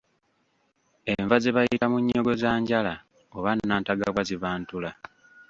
Enva ze bayita munnyogozanjala oba nantagabwa ziba ntula.